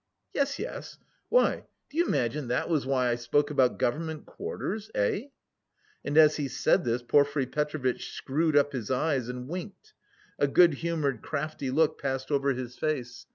"Yes, yes.... Why, do you imagine that was why I spoke about government quarters... eh?" And as he said this Porfiry Petrovitch screwed up his eyes and winked; a good humoured, crafty look passed over his face.